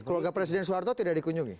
keluarga presiden soeharto tidak dikunjungi